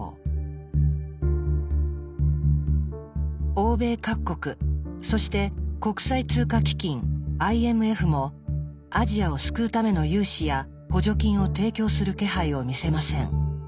欧米各国そして国際通貨基金ＩＭＦもアジアを救うための融資や補助金を提供する気配を見せません。